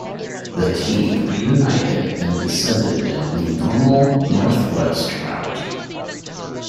The team reunited and descended down the normal, northwest route.